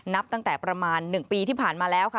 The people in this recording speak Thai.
นับตั้งแต่ประมาณ๑ปีที่ผ่านมาแล้วค่ะ